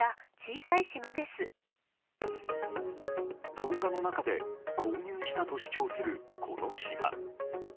動画の中で購入したと主張する、この島。